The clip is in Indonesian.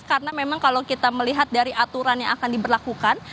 karena memang kalau kita melihat dari aturan yang akan diberlakukan